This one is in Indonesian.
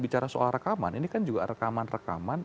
bicara soal rekaman ini kan juga rekaman rekaman